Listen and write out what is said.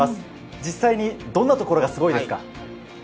実際にどんなところがすごいですか？